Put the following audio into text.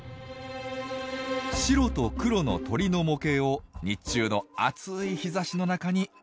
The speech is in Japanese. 白と黒の鳥の模型を日中の暑い日ざしの中に置いておきます。